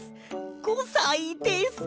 ５さいです。